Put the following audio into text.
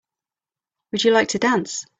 Would you like to dance?